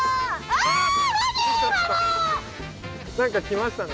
何か来ましたね。